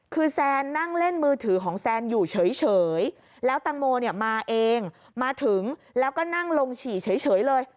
คือแซนนั่งเล่นมือถือของแซนอยู่เฉยแล้วตังโมเนี่ยมาเองมาถึงแล้วก็นั่งลงฉี่เฉยเลย